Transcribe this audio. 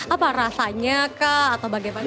apa rasanya kah atau bagaimana